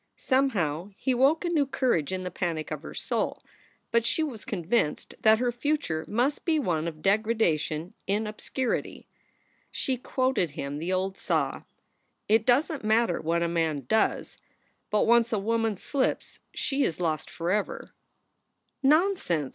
Somehow he woke a new courage in the panic of her soul, but she was convinced that her future must be one of degradation in obscurity. She quoted him the old saw : "It doesn t matter what a man does, but once a woman slips she is lost forever." i 4 SOULS FOR SALE "Nonsense!"